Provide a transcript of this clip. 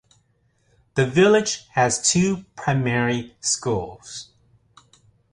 The village has two primary schools.